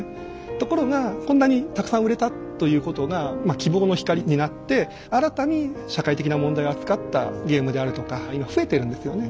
ところがこんなにたくさん売れたということがまあ希望の光になって新たに社会的な問題を扱ったゲームであるとか今増えてるんですよね。